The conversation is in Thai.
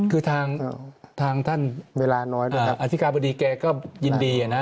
คือทางท่านอธิกาบดีแกก็ยินดีนะ